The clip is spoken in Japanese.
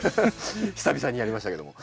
久々にやりましたけども。